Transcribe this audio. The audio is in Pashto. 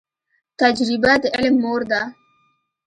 تجریبه د علم مور ده